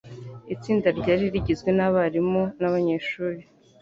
Itsinda ryari rigizwe nabarimu nabanyeshuri.